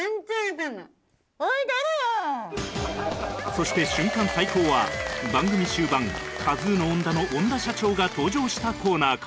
そして瞬間最高は番組終盤カズーの ＯＮＤＡ の恩田社長が登場したコーナーから